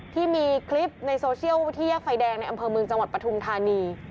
ที่มีคลิปในโซเชียลที่แยกไฟแดงในอำเภอเมืองจังหวัดปฐุมธานี